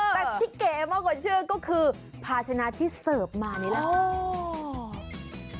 แต่ที่เก๋มากกว่าชื่อก็คือภาชนะที่เสิร์ฟมานี่แหละ